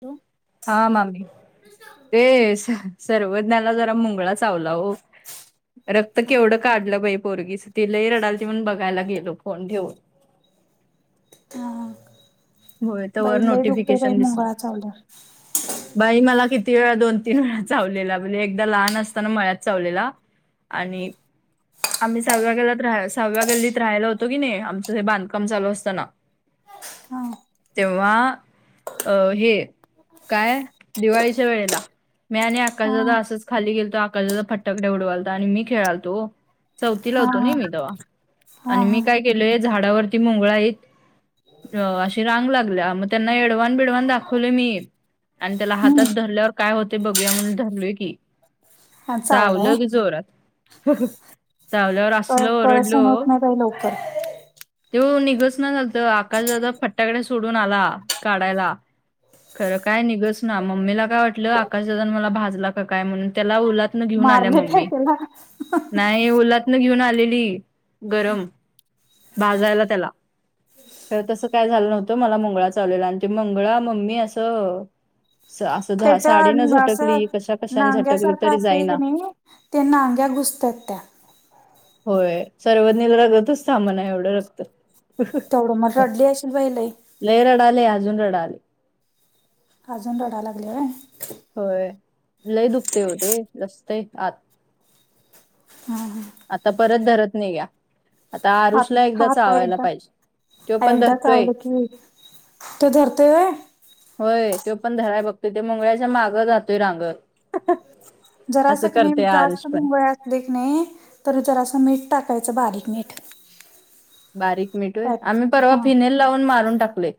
तो हा मामी, ते स सर्वज्ञला जरा मुंगळा च चावला हो, रक्त केवढं हा काढलं बाई पोरगीच ती लय रडालती म्हणून बघायला गेलो, फोन ठेऊन हा हा, होय तवर बाई लय दुखतंय बाई नोटिफिकेशन दिसलं मुंगळा चावल्यावर. बाई मला किती वेळा दोन-तीन वेळा चावलेला, म्हणजे एकदा लहान असताना मळ्यात चावलेला. आणि आम्ही सहाव्या गल्लात राहा सहाव्या गल्लीत राहायला होतो की नाही आमचं हे बांधकाम चालू असतना हा तेव्हा अ हे काय दिवाळीच्या वेळेला मी आणि आकाश हा दादा असंच खाली गेलतो आकाश दादा फटकडे उडवालत आणि मी खेळालतो हो. चौथीला हा होतो हा नई मी तेव्हा हा आणि हा मी काय केलय झाडावरती मोंगळा येत अ अश रांग लागल्या मग त्यांना एडवान बिडवान दाखवले मी आणि त्याला हातात हम्म धरल्यावर काय होते बघूया म्हण धरलोय की चावलाय चावला की जोरात. [unintelligible] चावल्यावर कळ असलो कळ ओरडलो. सहन होत नाही बाई लवकर तेव निघसन झालत आकाश दादा फट्टाकडे सोडून आला काढायला. खरं काय निघस ना मम्मीला काय वाटलं आकाशातजण मला भाजला का काय म्हणून त्याला ओलात घेऊन आल्या मारले काय मम्मी त्याला नाही ओलातन घेऊन आलेली गरम बाजायला त्याला. खर तसं काय झालं नव्हतं मला मुंगळा चावलेला आणि ते मुंगळा मम्मी असं असं त्याच्या साडीन झटकली असं कशा कशाने झटकली तरी जाईना त्यांना आग्या घुसतात त्या. होय सर्वजञील रगतच थांबना एवढं रगत. तेवढं मग रडली अशेल बाहिले. लय रडाले अजून रडाले. अजून रडा लागले आहे. होय लय दुखतेय ते रस्ते आत. हम्म हम्म. आता परत धरत नाही या. आता हा आरुषला एकदा आता आता चावायला एकदा पाहिजे तो पण धरतोय. ते धरतो व्हय. होय तो पण धराय बघतोय ते मंगळ्याच्या मागं राहतोय रांग. जरासं की ने जास्त मुंगळे असले की नाही तर जरास मीठ टाकायचं बारीक मीठ बारीक मिठूय पॅच आम्ही परवा हा फिनेल लावून मारून टाकलंय.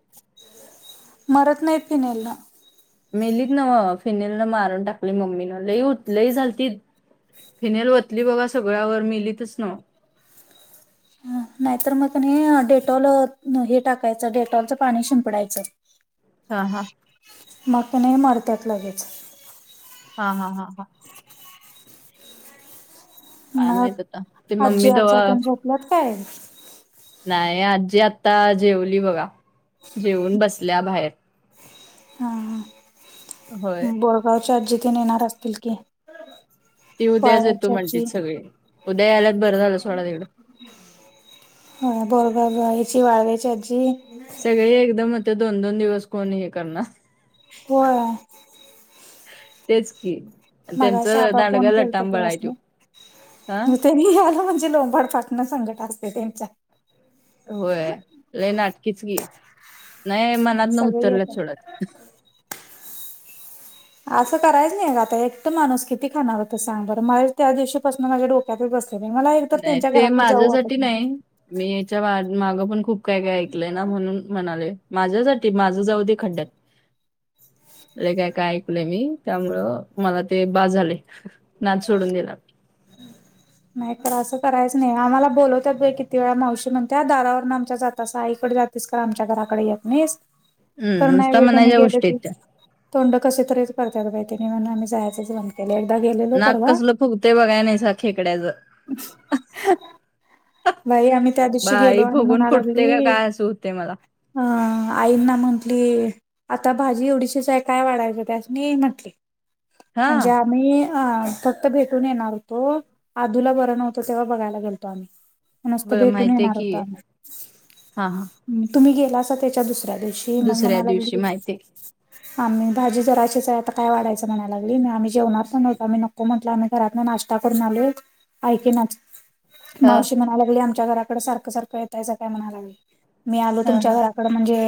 मरत नाही पिण्याला मेलीत ना म फिनेल न मारून टाकली मम्मीन लई होत लई झालते. फिनेल ओतली बघा सगळ्यावर मिलीतचन नाहीतर मग नाही डेटॉल हे टाकायचं डेटॉलच पाणी शिंपडायचं. हा हा. मग नाही मरतात लगेच. हा हा हा हा. काय मग माहित आता ते आजी मम्मी आजजा तेव्हा त्यांच्यात आपल्यात काय. नाही आजी आता जेवली बघा जेऊन बसल्या बाहेर. होय हम्म बोरगावच्या आजी पण येणार असतील की. ती उद्याच येतो वाळव्याची आजी. म्हणजेच सगळी उद्या यायलात बरं झालं सोडा तिकडं. हो बोरगयची वाढयची आजी सगळे एकदमता दोन दोन दिवस कोण हे करणार. व्हय. [inaudible] तेच की मगाशी त्यांचं आबा फोन दांडगा केलत लटाबळायटो हा. आलं म्हणजे लोंबाड फाटणं संकट असते त्यांच्या होय ल नाटकीच गी नाही मनात न सगळे उतरलं येतात. थोडत असं करायच नाही आता एक तर माणूस किती खाणार होत सांग बरं माझे त्या दिवशीपासून माझ्या डोक्यातच बसत मला एक तर नाही त्यांच्या ते घराकडे जाऊ वाटत माझ्यासाठी नाही. मी याच्या माग पण खूप काय काय ऐकलंय ना म्हणून म्हणाले माझ्यासाठी माझ जाऊ ते खड्ड्यात. [inaudible] काय काय ऐकलंय मी त्यामुळं मला ते बाज झाले नाच सोडून दिला. हम् नाही तर असं करायचं नाही आम्हाला बोलवत किती वेळा मावशी म्हणत दारावरून आमच्या जाता सा आईकडे जात. तिच का आमच्या घराकडे येत नाहीस कर हम्म नाही नुसता व त्याने म्हणायच्या गेलं गोष्टी की, आहेत त्या तोंड कशी तरीच करतात बाहि त म्हणून आम्ही जायच बंद केलं एकदा गेले. नाक कसलं फुगतय बघाय नाहीसा खेकड्याचं, अच् भाई आम्ही त्या दिवशी गेलो बाई आणि फुगून म्हणाला फुटते का गेरी, काय असं होते मला आईना म्हटली. आता भाजी एवढीशीच आहे काय वाढायच ते असं मी म्हटले. हा म्हणजे आम्ही‌, भेटून येणार होतो आदूला बर नवतो तेव्हा बघायला घेलतो आम्ही, ब नसत भेटून माहितीये येणार की होता हा हा आम्ही तुम्ही गेला अस त्याच्या दुसऱ्या दिवशी ते मग दुसऱ्या म्हणायलाग. दिवशी माहितीये आम्ही भाजी जराचीच आहे आता काय वाढयं म्हणाय लागलीग आम्ही जेवणार प नव्हत आही नको. म्हटलं आम्ही घरात नाश्ता करून आलो ऐक ना हा मावशी म्हणालागली आमच्या घराकड सारखं सारखं येतायच काय म्हणालाग मी आलो हा तुमच्या हा घरा ड म्हणजे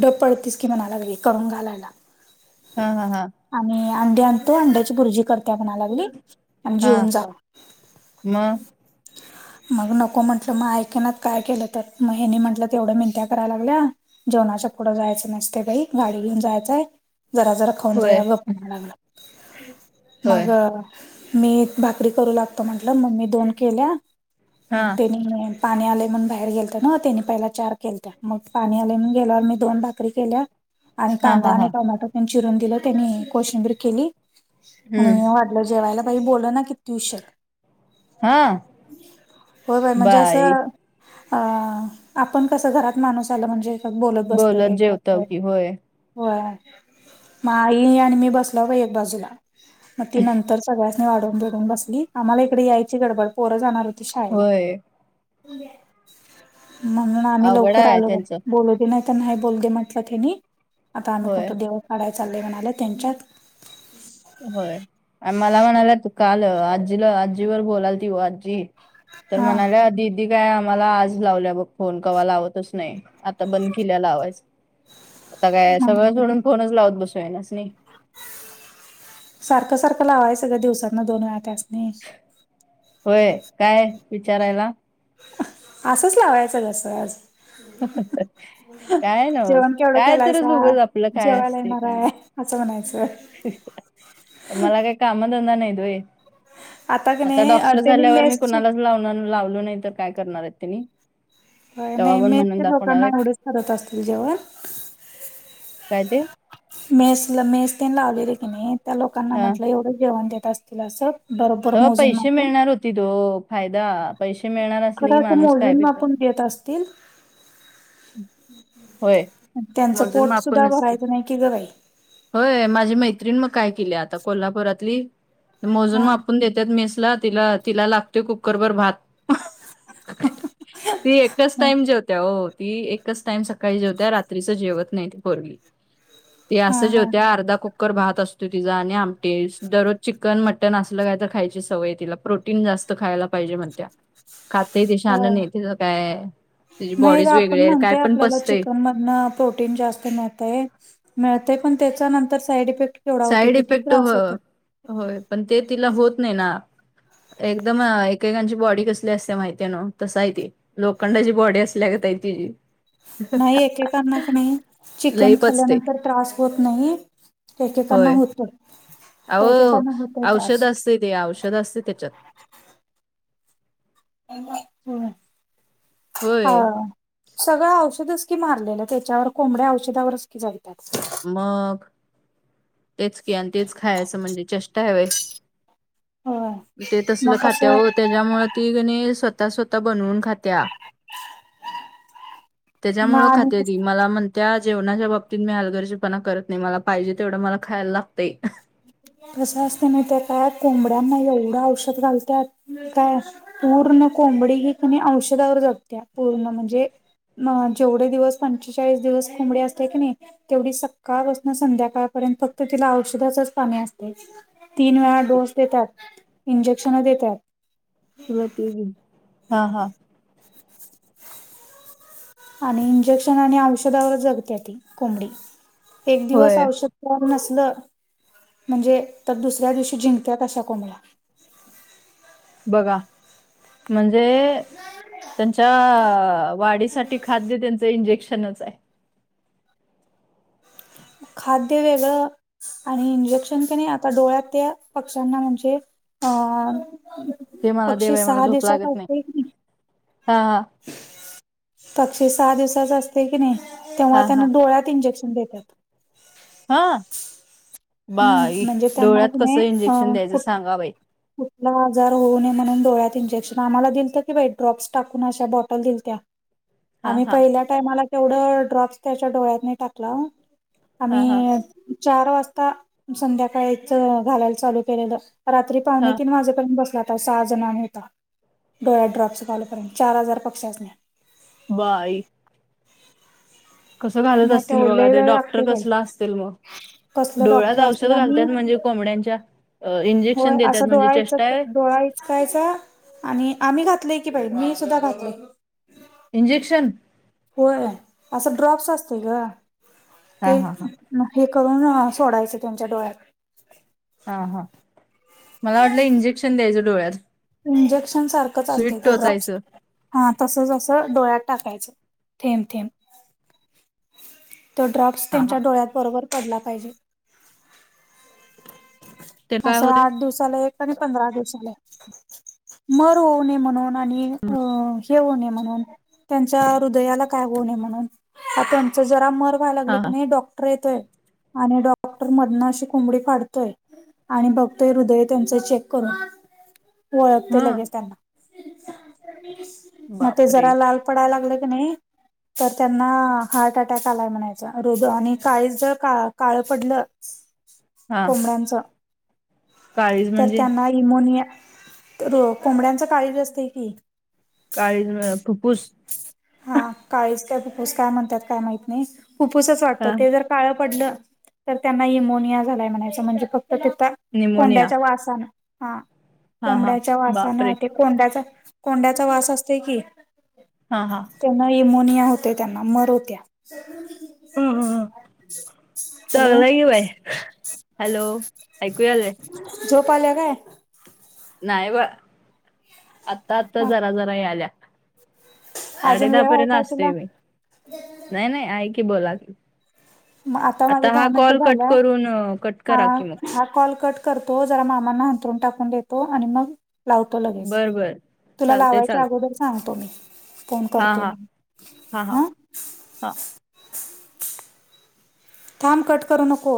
ड पडतीस की म्हणालाग करून घालायला. हा हा हा. आणि अंडी आणतो अंड्याची बुर्जी करत म्हणालागली आणि जेऊन जावा. म मग नको म्हंटलं मग ऐकना काय केलं तर मग हेनी म्हटलं तेवढं मिेनत्या करायला लागल्या. जेवणाच्या पुढं जायचं नसते काही गाडी घेऊन जायचंय जरा जरा. खन जा होय ग लागला होय मग मी भाकरी करू लागतो म्हटलं मग मी दोन केल्या हा मग ते पाणी आले म्हणून बाहेर गेलत ना त्यानी पहिला चार केलत मग पाणी आले गेल्यावर मी दोन बा चक केल्या. आणि हा कांदा हा आणि हा टमॅटो त्यांनी चिरून दिलं त्यांनी कोशिंबीर केली आणि हम्म वा जेवायला बा बोल ना कितीऊ शक हा हो बाय म्हणजे असं बाई अ आपण कसं घरात माणूस आला म्हणजे त बोलत बसतय जेवताव कसय.. की होय हो म आई आणि मी बसला ग एक बाजूला मग ती नंतर सगळ्यासनी वाढून बिडून बसली आम्हाला इकडे यायची गडबड पोरं जाणार होती शाळेला. होय म्हणून आम्ही अवघड लवकर आहे आलो त्यांचं बोलतो. ते नाही तर नाही बोल दे म्हटलं तेनी आता आम्ही होय कोणतं देवळ काढाय चाललंय म्हणाले त्यांच्यात, होय आणि मला म्हणाला तू काल आजीला आजीवर बोलाल ती आजी तर हा म्हणाल्या दीदी काय आम्हाला आज लावल्या बघ फोन कवा लावतच नाही. आता बंद केल्याला लावायच आता काय सगळं म्हणाले सोडून फोनच लावत बसू येनास नाही. सारखं सारखं लावाय सगळं दिवसांना दोन व्याळा तासने होय काय विचारायला. असंच लावायचं जसं आज, काय ना बस जेवण केवढं काय तरच केलायचा उगच आपलं काय जेवायला असते येणार काय आहे. असं म्हणायचंय. मला काही कामधंदा नाही होय. क आता नाही डॉक्टर त्यांनी झाल्यावर मी मेसची कुणालाच लावणार लावलो नाही तर काय करणार आहेत तनी. नाही मेच्या लोकांना आहेत एवढेच करत असतील जेवण. काय तेे मेसला मेस तेन लावलेले की नाही त्या लोकांना हा म्हटलं एवढं जेवण देत असतील असं. बरोबर तर मोजून पैसे मापून मिळणार होतीत वो फायदा पैसे मिळणार असले की माणूस काय बी कर. होय त्यांच मोजून पोट सुद्धा मापून असते भरायच नाही. की ग बाई होय माझी मैत्रीण मग काय केली आता कोल्हापुरातली. मोजून हा मापून देत्यात मेसला. तिला तिला लागतोय कुकरभर भात. ती एकच टाईम जेवत्या हो. ती एकच टाइम सकाळी जेवते. रात्रीचं जेवत नाही ती पोरगी. हा असं हा जेवत्या अर्ध्या कुक कुकर भात असतो तिचा. आणि आमटी. दररोज चिकन, मटन असलं काय तर खायची सवय आहे तिला. प्रोटीन जास्त खायला पाहिजे म्हणत्या. [inaudible] खातय ते शान होय. नाही तिचं काय, तिची बॉडीज वेगळी आहे. काय पण पचतंय. मधन प्रोटीन जास्त मिळतय. मिळतय पण त्याच्या नंतर साईड इफेक्ट केवढा होतोय. साईड किती इफेक्ट त्रास हो होतोय. होय. पण ते तिला होत नाही ना. एकदम एकेकांची बॉडी कसली असत्या माहितीय नव. तस आहे ते. लोखंडाची बॉडी असल्यागत आहे तिची. नाही एकेकांना की नाही चिकन लई पचते. खाल्ल्यानंतर त्रास होत नाही. एकेकांना होय. होतोय. एकेकांना होतोय त्रास. तेे तेे औषध असत त्याच्यात. होय होय. हा सगळं औषधंच की मारलेलं त्याच्यावर. कोंबड्या औषधावरच की जगत्यात. मग तेच की. आणि तेच खायच म्हणजे चेष्टा हाय व्हय. होय. ते तसलं मग खात्या कसं ओ. त्याच्यामुळे ती क नाही स्वतः स्वतः बनवून खात्या. मग त्याच्यामुळं खात्या आणि ती. मला म्हणत्या जेवणाच्या बाबतीत मी हलगर्जी पणा करत नाही. मला पाहिजे तेवढं मला खायला लागतंय. कस असतय माहिती आहे का कोंबड्यांना एवढ औषध घालत्यात. काय पूर्ण कोंबडी ही कणी औषधावर जगत्या. पूर्ण म्हणजे म जेवढे दिवस पंचेचाळीस दिवस कोंबडी असत्या की नाही तेवढी सकाळ पासण संध्याकाळपर्यंत फक्त तिला औषधाचच पाणी असतय. तीन वेळा डोस देतात. इंजेक्शन देतात. तुला ते घे. हा हा आणि इंजेक्शन आणि औषधावर जगत्या ती कोंबडी. एक दिवस होय. औषध नसलं म्हणजे तर दुसऱ्या दिवशी झिंगत्यात अशा कोंबड्या. बघा म्हणजे त्यांच्या वाढीसाठी खाद्य त्यांच इंजेक्शनच आहे. खाद्य वेगळं आणि इंजेक्शन क नाही आता डोळ्यात त्या पक्ष्यांना म्हणजे अ ते मला देव पक्षी आहे सहा दिवसाचा होतोय की नाही हा हा पक्षी सहा दिवसाच असतय की नाही, तेव्हा हां, हां, त्यांना डोळ्यात इंजेक्शन देतात. हा हम्म बाई म्हणजे त्यांना डोळ्यात क कसं नाही अ इंजेक्शन कुठ द्यायच सांगा बाई. कुठला आजार होऊ ने म्हणून डोळ्यात इंजेक्शन. आम्हाला दिलंत कि बाई ड्रॉप्स टाकून अशा बॉटल दिलत्या. हां, आम्ही हां, पहिल्या टाइमाला तेवढं ड्रॉप्स त्याच्या डोळ्यात नही टाकला हो. हां, हां, आम्ही चार वाजता संध्याकाळीच घालायला चालू केलेलं रात्री पावणे हां. तीन वाजेपर्यंत बसलो आम्ही. सहा जण आम्ही होता. डोळ्यात ड्रॉप्स घालूपर्यंत. चार हजार पक्ष्यासनी. बाई कस घालत मग असतील तेवढं बघा. लय ते वेळ डॉक्टर लागतोय बाई. कसल असतील मग. कसलं डोळ्यात डॉक्टर असतील औषध आणि घालतात म्हणजे कोंबड्यांच्या अ, होय इंजेक्शन देतात असं म्हणजे डोळायचं चेष्टा आहे. डोळायच जायचा आणि आम्ही घातलय की बाहि मी सुद्धा घातले. इंजेक्शन? होय असं ड्रॉप्स असते का हां, ते हां, हां, हे करून सोडायचं त्यांच्या डोळ्यात. हा हा मला वाटलं इंजेक्शन द्यायचं डोळ्यात. इंजेक्शन सारखंच सुई असते ते ड्रॉप्स टोचायचं. हा तसच अससं डोळ्यात टाकायचं थेंब थेंब. तो ड्रग्स हां, हां. त्यांच्या डोळ्यात बरोबर पडला पाहिजे. ते काय असं होते? आठ दिवसाला एक आणि पंधरा दिवसाला एक मारू नये म्हणून. आणि अ म्हण त्यांच्या हृदयाला काय हो म्हण त्यां ज लागले हां, की हां. नाही डॉक्टर येतोय आणि डॉक्टर मध न अशी कोंबडी फाडतो. आणि बघतोय हृदय त्यांच चेक करून ओळखते हं. लगेच त्यांना. मग ते बापरे जरा लाल पडायला लागले क नाही तर त्यांना हार्ट अटॅक आलाय म्हणायचं रोग आणि काळीच जर का काळं पडलं. हा कोंबड्यांचा काळीज तर म्हणजे त्यांना इमोनिया कोंबड्यांच काळीज असते की. काळीज फुप्फूस हा काळीस काय फुप्फूस काय म्हणतात काय माहत नाही फु्फूसच वाटत हा ते जर काळं पडलं तर त्यांना यमोनिया झालाय म्हणायचं म्हणजे फक्त त्याथ निमोनिया कोंड्याचा वासान हा हा हा कोंबड्याच्या वासान बापरे कोंड्याचा, कोंड्याचा वास असते की हा हा त्यांना यमोनिया होत त्यांना मर होत्या. हॅलो चांगलं आहे की बाई! हॅलो ऐकू यालय? झोप आल्या काय? नाही ब आत्ता आता मग जरा जरा येईल्या. साडे अजून दहा वेळ आहे पर्यंत काय असतोय तुला मी नाही, नाही आहे की बोला. आता माझ हा दहा मिनटं कॉल कट झाल्या करून कट ह करा की मग हा कॉल कट करतो जरा मामांना हंतरून टाकून देतो आणि मग लावतो लगेच बर बर तुला चालतय लावायच्या चालतय अगोदर सांगतो मी फोन हा करतोय हा मग हा हा हा थांब कट करू नको.